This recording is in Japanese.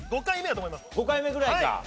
５回目ぐらいか。